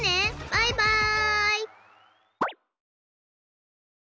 バイバイ！